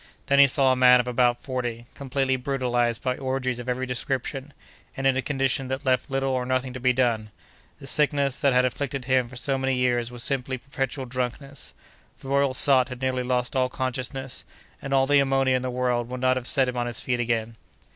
There he saw a man of about forty, completely brutalized by orgies of every description, and in a condition that left little or nothing to be done. The sickness that had afflicted him for so many years was simply perpetual drunkenness. The royal sot had nearly lost all consciousness, and all the ammonia in the world would not have set him on his feet again.